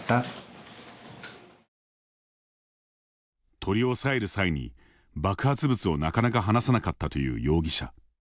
取り押さえる際に爆発物をなかなか離さなかったという容疑者。